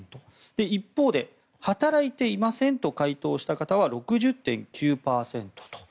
一方で働いていませんと回答した方は６０．９％と。